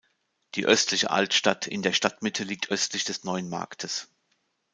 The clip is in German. Die Östliche Altstadt in der Stadtmitte liegt östlich des Neuen Marktes.